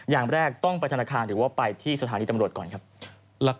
อย่างแรกต้องไปธนาคารหรือว่าไปที่สถานีตำรวจก่อนครับ